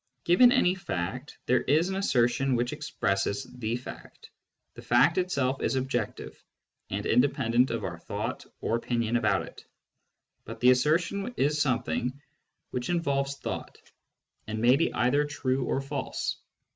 ^ Given any fact, there is an assertion which expresses the fact. The fact itself is objective, and independent of our thought or opinion about it ; but the assertion is something which involves thought, and may be either true or false.